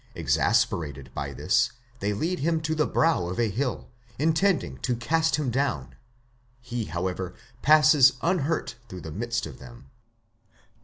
Exasperated by this, they lead him to the brow of the hill, intend ing to cast him down; he, however, passes unhurt through the midst of them (iv.